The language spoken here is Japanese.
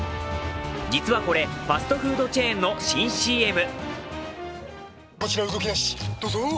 実はこれファストフードチェーンの新ＣＭ。